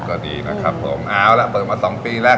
ก็ดีนะครับผมเอาล่ะเปิดมาสองปีแล้ว